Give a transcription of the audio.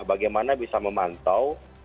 bagaimana bisa memantau